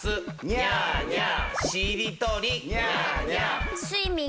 ニャーニャー。